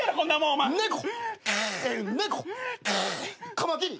カマキリ。